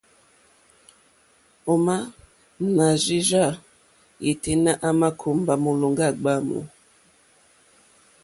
Ò má nà rzí rzâ yêténá à mà kùmbá mólòmbá gbǎmù.